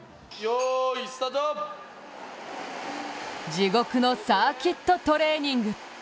地獄のサーキットトレーニング。